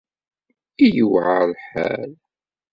I yewɛer lḥal!